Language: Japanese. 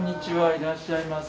いらっしゃいませ。